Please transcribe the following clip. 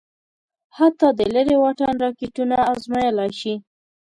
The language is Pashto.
حتی د لېرې واټن راکېټونه ازمايلای شي.